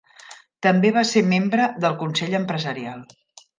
També va ser membre del Consell Empresarial.